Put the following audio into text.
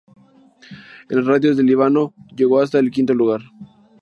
En las radios de Líbano llegó hasta el quinto lugar.